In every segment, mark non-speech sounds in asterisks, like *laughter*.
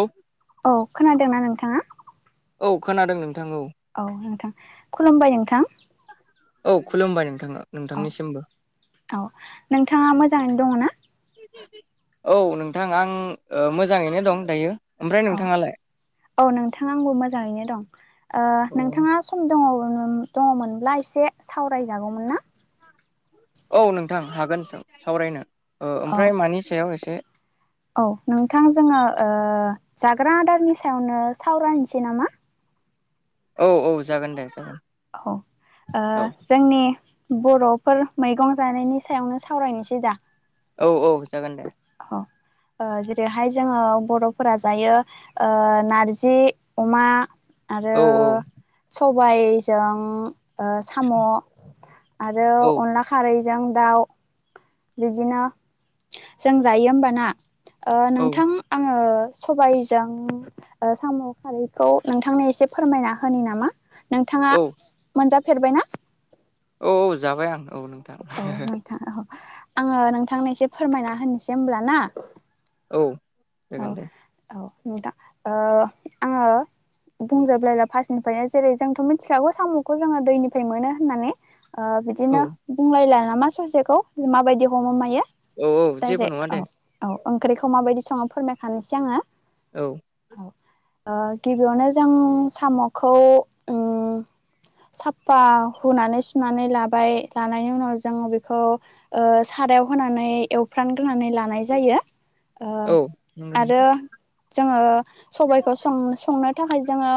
औ औ खोनादोंना नोंथाङा। औ खोनादों नों औ नोंथां खुलुमबाय नोंथां। औ खुलुमबाय नोंथाङा। औ औ नोंथाङा मोजाङैनो दङ ना? औ नोंथां आं ओ मोजाङैनो दं दायो। ओमफ्राय औ नोंथाङालाय औ नोंथाङा आंबो मोजाङैनो दं ओ अ नोंथाङा सम दङ। दङमोनब्ला एसे सावरायजागौमोन ना? औ नोंथां हागोन सावरायनो। ओ औ ओमफ्राय मानि सायाव एसे औ नोंथां जोंहा ओ जाग्रा आदारनि सायावनो सावरायनोसै नामा? औ औ जागोन दे। औ ओ औ जोंनि। बर'फोर मैगं जानायनि सायावनो सावरायनोसै दा। औ औ जागोन दे। औ ओ जेरैहाय जोङो बर'फोरा जायो ओ नारजि अमा आरो औ सबायजों ओ साम' आरो औ अनला खारैजों दाउ। बिदिनो जों जायो होमबाना ओ औ नोंथां आङो। सबायजों ओ साम' खारैखौ नोंथांनो एसे फोरमायना होनि नामा? नोंथाङा औ मोनजाफेरबायना? औ औ जाबाय आं औ नं औ नोंथां औ आङो नोंथांनि एसे फोरमायना होनोसै होमब्ला ना? औ औ जागोन दे औ नोंथां ओ आङो। बुंजोबलायला फार्स्टनिफ्रायनो जेरै जोंथ' मिथिखागौ साम'खौ जोङो दैनिफ्राय मोनो होननानै। ओ औ बिदिनो बुंलायला नामा ससेखौ माबायदि हमो मायो। औ औ जेबो डाइरेक्ट नङा औ दे औ ओंख्रिखौ माबायदि सङो फोरमायखानोसै आङो। औ। औ ओ गिबियावनो जों साम'खौ उम। साफा हुनानै सुनानै लाबाय लानायनि उनाव जोंङो बेखौ ओ सारायाव होनानै एवफ्रामग्रोनानै लानाय जायो। ओ औ नंगौ आरो नोंथां जोङो सबायखौं संनो थाखाय जोङो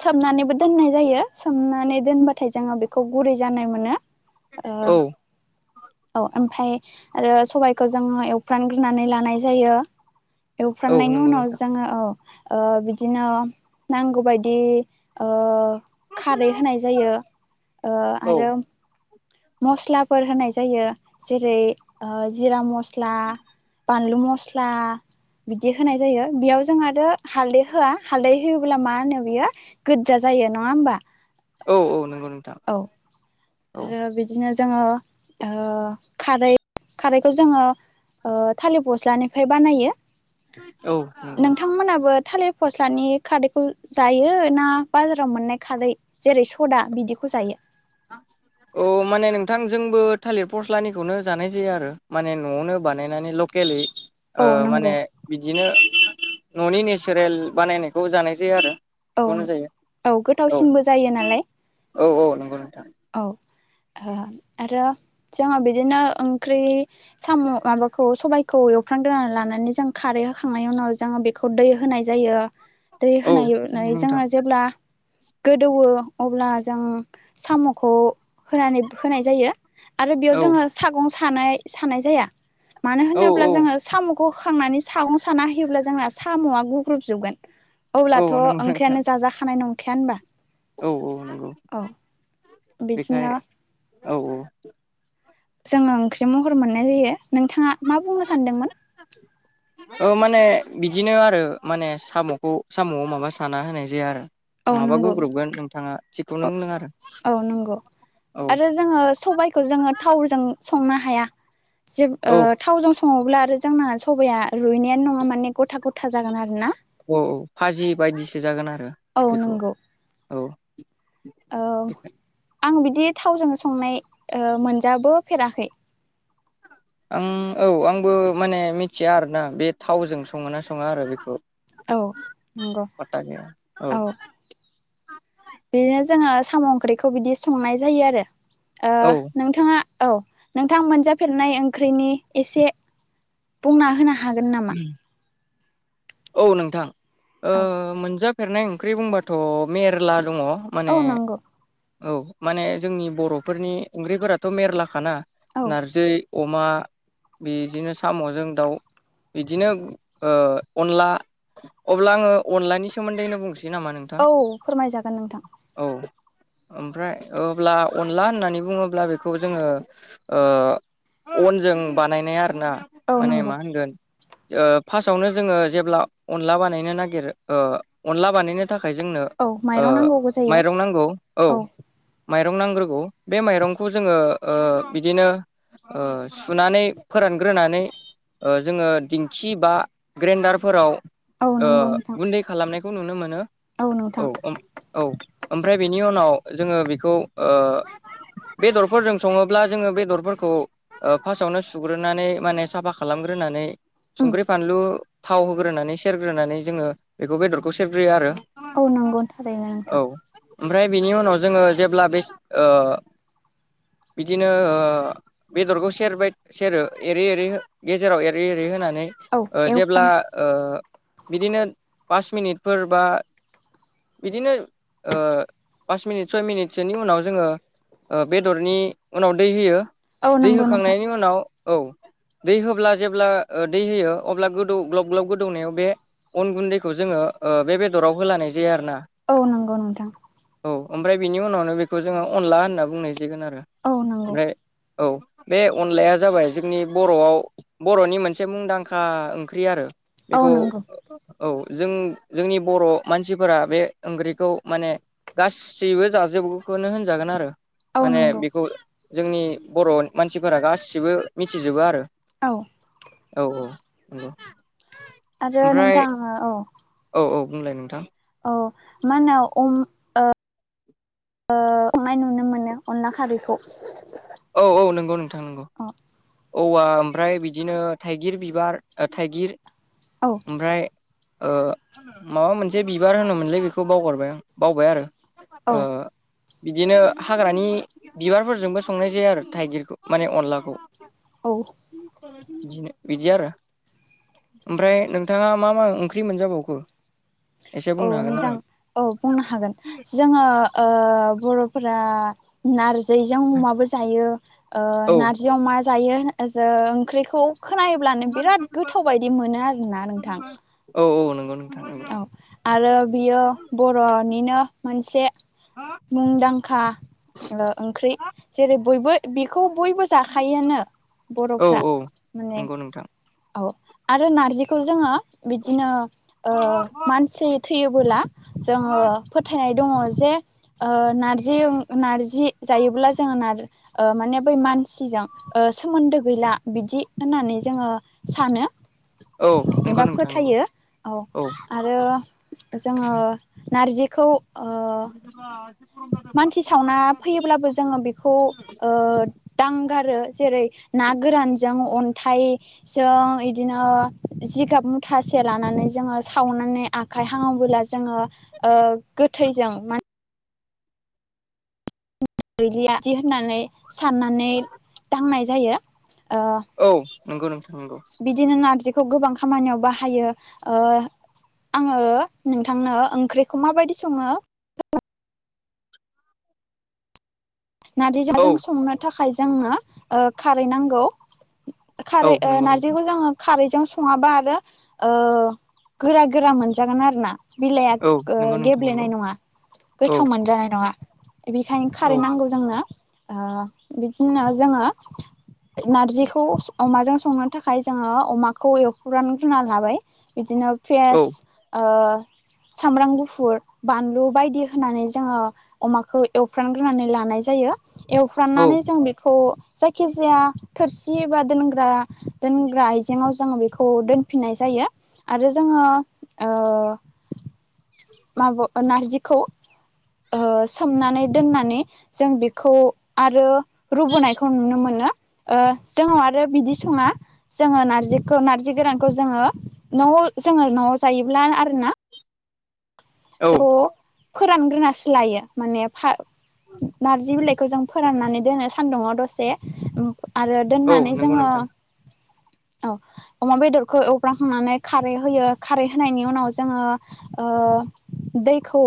सोमनानैबो दोननाय जायो सोमनानै दोनबाथाय जोङो बेखौ गुरै जानाय मोनो। औ ओ औ ओमफ्राय आरो सबाइखौ जोङो एवफ्रामग्रोनानै लानाय जायो। औ एवफ्रामनायनि नंगौ उनाव नोंथां जोङो ओ। ओ बिदिनो नांगौबायदि ओ। खारै होनाय जायो ओ औ आरो मस्लाफोर होनाय जायो जेरै ओ जिरा मस स्ला बानलु मस्ला बिदि होनाय जायो बियाव जोंहाथ' हालदै होआ हालदै होयोब्ला मा होनो बियो गोजा जायो नङा होमबा। औ औ नंगौ नोंथां। औ औ आरो बिदिनो जोङो ओ खारै। खारैखौ जोङो ओ थालिर फस्लानिफ्राय बानायो। औ नंगौ नोंथांमोनाबो थालिर फस्लानि खारैखौ जायो ना बाजाराव मोननाय खारै जेरै सदा बिदिखौ जायो। *unintelligible* औ माने नोंथां जोंबो थालिर फस्लानिखौनो जानाय जायो आरो माने न'आवनो बानायनानै लकेलै ओ औ माने नंगौ बिदिनो न'नि नेचारेल बानायनायखौ जानाय जायो आरो। औ बेखौनो जायो औ गोथावसिनबो जायो नालाय। औ औ नंगौ नोंथां औ ओ आरो जोङो बिदिनो ओंख्रि साम' माबाखौ सबायखौ एवखांग्रोना लानानै जों खारै होखांनायनि उनाव जों बेखौ दै हो होननाय जायो आरो। दै औ होनाय नोंथां जोङो जेब्ला गोदौ अब्ला जों साम' खौ होनानै होनाय जायो आरो बेयाव औ जोङो सागं सानाय सानाय जाया। मानो औ होनोब्ला औ जोङो साम' होखांनानै सागं साना होयोब्ला जोंना साम'या गुग्रुबजोबगोन औ अब्लाथ' नंगौ नोंथां ओंख्रियानो जाजाखानाय नंखाया होनबा औ औ नंगौ बेखाय बेदिनो औ औ जोङो ओंख्रि महर मोननाय जायो नोंथाङा मा बुंनो सानदोंमोन? औ माने बिदिनो आरो माने साम'खौ साम'याव माबा साना होनाय जाया आरो। औ नङाबा नंगौ गुग्रबगोन नोंथाङा थिखौनो होनदों आरो। औ नंगौ औ आरो जोङो सबायखौ जोङो थावजों संनो हाया जे औ थावजों सं सङोब्ला आरो जोंना सबाया रुइनायानो नङा माने ग'था ग'था जागोन आरोना। औ औ फाजि बायदिसो जागोन आरो। आरो औ बेखौ नंगौ औ औ आं बिदि थावजों संनाय ओ मोनजाबोफेराखै। आं औ आंबो माने मिथिया आरोना बे थावजों सङो ना सङा आरो बेखौ औ नंगौ फाटा गैया औ। बिदिनो जोङो साम' ओंख्रिखौ बिदि संनाय जायो आरो ओ औ नोंथाङा औ नोंथां मोनजाफेरनाय ओंख्रिनि एसे बुंना होनो हा औ नोंथां ओ औ मोनजा सफेरनाय ओंख्रि बुंबाथ' मेरला दङ। माने औ नांगौ औ माने जोंनि बर'फोरनि ओंख्रिफोराथ' मेरलाखाना औ नारजि अमा बिदिनो साम'जों दाउ बिदिनो ओ अनला अब्ला आङो अनलानि सोमोनदोनो बुंसै नामा नोंथां औ फोरमायजागोन नोंथां। औ ओमफ्राय अब्ला अनला होननानै बुङोब्ला बेखौ जोङो ओ अनजों बानायनाय आरोना औ माने नंगौ मा होनगोन। ओ फार्स्टयावनो जोङो जेब्ला अनला बानायनो नागिरो अनला बानायनो। थाखाय जोंनो औ ओ माइरं नांगौबो जायो माइरं नांगौ औ। माइरं नांग्रोगौ बे माइरंखौ जोङो ओ बिदिनो ओ सुनानै फोरानग्रोनानै ओ जोङो दिंखि बा ग्रेन्डारफोराव औ ओ नंगौ नोंथां गुनदै खालामनायखौ नुनो मोनो। औ औ ओमफ्राय बेनि उनाव जोङो बेखौ ओ बेदरफोरजों सङोब्ला जोङो बेदरफोरखौ ओ फार्स्टावनो सुग्रोनानै माने साफा खालामगोन। ग्रोनानै उम संख्रि फानलु थाव होग्रोनानै सेरग्रोनानै जोङो बेखौ बेदरखौ सेरग्रोयो आरो। औ नंगौ थारैनो औ नोंथां ओमफ्राय बिनि उनाव जोङो जेब्ला बे ओ बिदिनो ओ बेदरखौ सेरबाय सेरो एरै एरै गेजेराव एरै एरै होनानै औ ओ एवफ्राम जेब्ला ओ बिदिनो पास मिनिटफोर बा बिदिनो ओ पास मिनिट सय मिनिटसोनि उनाव जोङो ओ बेदरनि उनाव दै होयो औ दै नंगौ नोंथां होखांनायनि उनाव औ दै होब्ला जेब्ला दै होयो अब्ला गोदौ ग्लब ग्लब गोदौनायाव बे अन गुनदैखौ जोङो बे बेदराव होलानाय जायो आरोना औ नंगौ नोंथां औ ओमफ्राय बिनि उनावनो बेखौ जोङो अनला होनना बुंनो गोन आरो औ नंगौ ओमफ्राय औ बे अनलाया जाबाय जोंनि बर'आव बर'नि मोनसे मुंदांखा ओंख्रि आरो औ बेखौ नंगौ औ जों जोंनि बर' मानसिफोरा बे ओंख्रिखौ माने गासैबो जाजोबखौनो होनजागोन आरो औ । माने नंगौ बेखौ जोंनि बर' मानसिफोरा गासिबो मिथिजोबो आरो औ औ औ नंगौ आरो ओमफ्राय नोंथां औ औ औ बुंलाय नोंथां । औ मा होनो अ ओ ओ संनाय नुनो मोनो अनला खारैखौ । औ औ नंगौ नोंथां नंगौ । औवा ओमफ्राय बिदिनो थाइगिर बिबार थाइगिर औ ओमफ्राय माबा मोनसे बिबार होनोमोनलै बेखौ बावगारबाय आं बावबाय आरो औ बिदिनो हाग्रानि बिबारफोरजोंबो संनाय जाया आरो थाइगिरखौ माने अनलाखौ औ बिदि आरो ओमफ्राय नोंथाङा मा मा ओंख्रि मोनजाबावखो? एसे औ बुंनो हागोन नोंथां नामा औ बुंनो हागोन जोङो बर'फोरा नारजि जों अमाबो जायो औ नारजियाव मा जायो ओ ज ओंख्रिखौ खोनायोब्लानो बिराद गोथाव बायदि मोनो आरोना नोंथां। औ औ नंगौ नोंथां नंगौ औ आरो बियो बर'निनो मोनसे मुंदांखा ओंख्रि जेरै बयबो बेखौ बयबो जाखायोन औ बर'फ्रा औ माने नंगौ नोंथां औ आरो नारजिखौ जोङो बिदिनो मानसि थैयोबोला जोङो फोथायनाय दङ जे नारजि नारजि जायोब्ला जोङो माने बे मानसिजों सोमोन्दो गैला बिदि होननानै जोङो सानो। औ नंगौ एबा नोंथां नंगौ फोथायो औ आरो जोङो नारजि *inaudible* *inaudible* मानसि सावना फैयोब्लाबो जोङो बेखौ दांगारो जेरै ना गो रानजों अन्थाइ जों इदिनो जिगाब मुथासे लानानै जोङो सावनानै आखाइ हांयोबोला जोङो गोथैजों मा गैलि आदि होननानै साननानै दांनाय जायो। ओ औ नंगौ नोंथां नंगौ । खौ गोबां खामानियाव बाहायो। आङो नोंथांनो ओंख्रिखौ माबायदि सङो? औ नारजिजाजों संनो थाखाय जोंनो खारै नांगौ । औ खारै नंगौ नोंथां नारजिखौ जोङो खारैजों सङाबा आरो गोरा गोरा मोनजागोन आरो ना बिलाइआ औ नंगौ नोंथां नंगौ गेब्लेनाय नङा औ गोथाव मोनजानाय नङा बेखायनो कारेन्ट नांगौ जोंनो बिदिनो जोङो नारजिखौ अमाजों संनो थाखाय जोङो अमाखौ एवख्रानग्रोना लाबाय बिदिनो औ फ्रेस ओ *inaudible* सामब्राम गुफुर बानलु बायदि होनानै जोङो अमाखौ एवफ्रांग्रोनानै लानाय जायो। जायो औ एवफ्रांनानै जों बेखौ जायखिजाया थोरसि एबा दोनग्रा दोनग्रा आइजेंआव जोङो बेखौ दोनफिननाय जायो आरो जोङो माबा नारजिखौ सोमनानै दोननानै जों बेखौ आरो रुबोनायखौ नुनो मोनो। जों आरो बिदि सङा जोङो नारजिखौ नारजि गोरानखौ जोङो न'आव जोङो न'आव जायोब्ला आरोना औ *unintelligible* फोरानग्रोनासो लायो माने नारजि बिलाइखौ जों फोराननानै दोनो सानदुङाव दसे आरो औ दोननानै नंगौ जोङो नोंथां औ अमा बेदरखौ एवफ्रांखांनानै खारै होयो खारै होनायनि उनाव जोङो ओ दैखौ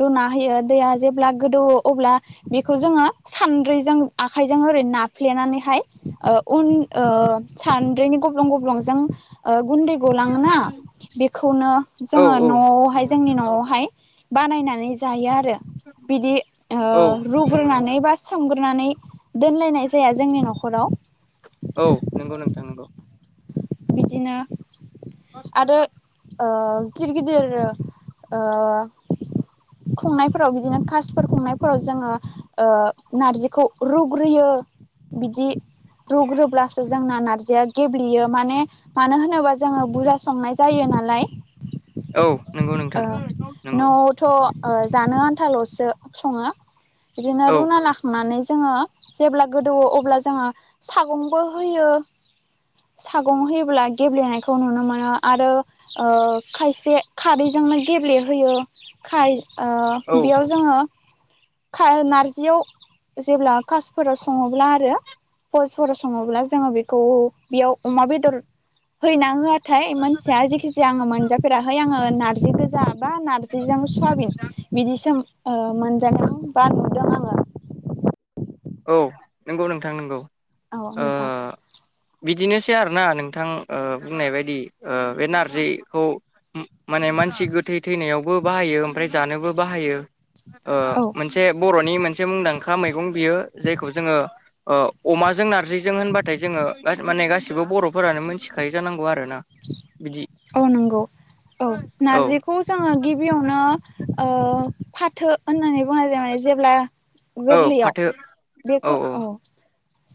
रुना होयो दैया जेब्ला गोदौवो अब्ला बेखौ जोङो सान सानद्रैजों आखाइजों ओरै नाफ्लेनानैहाय अन ओ सानद्रैनि गबलं गबलं जों गुन्दै गलाङोना बेखौनो औ जोङो औ न'आवहाय नंगौ जोंनि नोंथां न'आव बानायनानै जायो आरो बिदि ओ औ नंगौ रुग्रोनानै नोंथां बा सोमग्रोनानै नानै दोनलायनाय जाया जोंनि न'खराव औ नंगौ नोंथां नंगौ बिदिनो आरो ओ गिदिर गिदिर ओ खुंनायफोराव बिदिनो कासफोर खुंनायफोराव जोङो नारजिखौ रुग्रोयो बिदि रुग्रोब्लासो जोंना नारजिया गेब्लेयो माने मानो होनोबा जोङो बुरजा संनाय जायो नालाय औ नंगौ नोंथां नंगौ न'आवथ' जानो आन्थाल'सो सङो बिदिनो औ रुना लाखांनानै जोङो जेब्ला गोदौवो अब्ला जोङो सागंबो होयो सागं होयोब्ला गेब्लेनायखौ नुनो मोनो आरो खायसे खारै जोंनो गेब्लेहोयो खार औ बेयाव जोङो नारजियाव जेब्ला कासफोराव सङोब्ला आरो फसफोर सङोब्ला जोङो बेखौ बेयाव अमा बेदर होयोना होआ नाथाय मानसिया जेखि जाया आङो मोनजाफेराखै आङो नारजि गोजा बा नारजिजों सवाबिन बिदिसो मोनजानायाव बा नुदों आङो औ नंगौ नोंथां नंगौओ औ नोंथां बिदिनो सै आरोना नोंथां बुंनाय बायदि बे नारजिखौ माने मानसि गो थै थैनायावबो बाहायो ओमफ्राय जानोबो बाहायो। औ मोनसे बर'नि मोनसे मुंदांखा मैगं बियो जायखौ जोङो अमाजों नारजिजों होनबाथाय जोङो माने गसिबो गसिबो बर'फोरानो मिथिखायो जानांगौ आरो ना औ नंगौ औ औ नारजिखौ जोङो गिबियावनो फाथो होननानै बुंनाय जायो माने जेब्ला औ गोरलैयाव फाथो बेखौ औ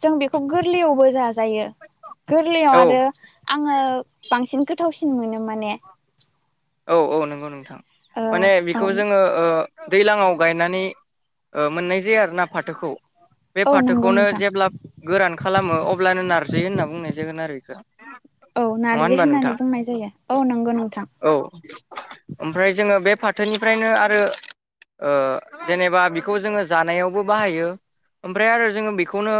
जों बेखौ गोरलैयावबो जाजायो गोरलैयाव औ आरो आङो बांसिन गोथावसिन मोनो माने औ औ नंगौ नोंथां ओ माने औ बेखौ जोङो दैज्लाङाव गायनानै मोननाय जायो आरोना फाथोखौ बे औ नंगौ फाथोखौनो नोंथां जेब्ला गोरान खालामो अब्लानो नारजि होनना बुंनाय जागोन आरो बेखौ औ नङा नारजि होनबा होननानै नोंथां बुंनाय जायो औ नंगौ नोंथां। औ ओमफ्राय जोङो बे फाथोनिफ्रायनो आरो। जेनेबा बेखौ जोङो जानायावबो बाहायो। ओमफ्राय आरो जोङो बेखौनो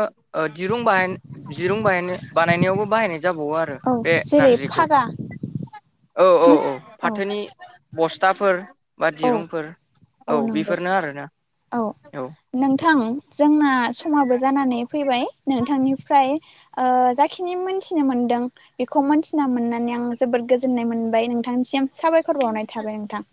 दिरुं बाह दिरुं बाह बानायनायावबो बाहायनाय जाबावो आरो औ बे जेरै नारजिखौ *inaudible* औ औ औ फाथोनि बस्थाफोर बा औ दिरुंफोर औ बेफोरनो आरोना औ नोंथां जोंना समाबो जानानै फैबाय नोंथांनि फ्राय जाखिनि मोनथिनो मोनदों बेखौ मोनथिना मोननानै आं जोबोद गोजोननाय मोन मोनबाय नोंथांनिसिम साबायखर बावनाय थाबाय नोंथां।